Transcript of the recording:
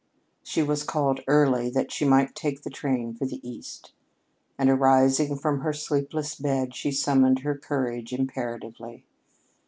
She was called early that she might take the train for the East, and arising from her sleepless bed she summoned her courage imperatively.